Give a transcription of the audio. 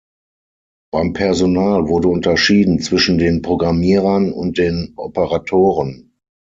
Beim Personal wurde unterschieden zwischen den Programmierern und den "Operatoren".